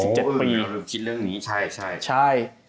โอ้เออแล้วเราคิดเรื่องนี้ใช่